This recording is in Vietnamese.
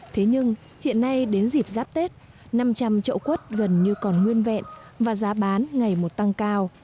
thế nhưng hiện nay đến dịp giáp tết năm trăm linh trậu quất gần như còn nguyên vẹn và giá bán ngày một tăng cao